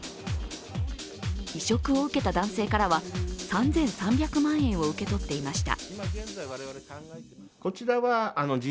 移植を受けた男性からは３３００万円を受け取っていました。